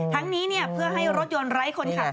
ทั้งนี้เพื่อให้รถยนต์ไร้คนขับ